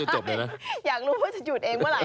ใช่อยากรู้ว่าจะหยุดเองเมื่อไห